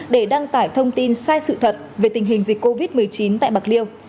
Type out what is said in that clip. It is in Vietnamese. để đăng tải thông tin sai sự thật về tình hình dịch covid một mươi chín tại bạc liêu